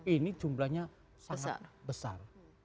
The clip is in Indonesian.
ini jumlahnya sangat besar